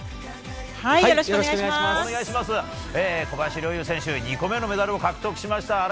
小林陵侑選手、２個目のメダルを獲得しました。